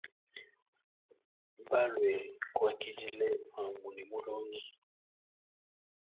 Balwe kwakidile mamu ne mulongi.